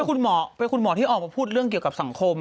คุณหมอเป็นคุณหมอที่ออกมาพูดเรื่องเกี่ยวกับสังคม